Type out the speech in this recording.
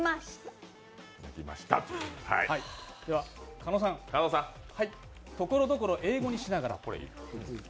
狩野さん、「ところどころ英語にしながら」。